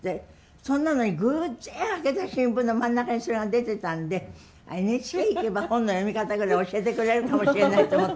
それなのに偶然開けた新聞の真ん中にそれが出てたんでＮＨＫ行けば本の読み方ぐらい教えてくれるかもしれないと思って